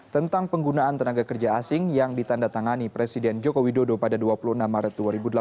tentang penggunaan tenaga kerja asing yang ditanda tangani presiden joko widodo pada dua puluh enam maret dua ribu delapan belas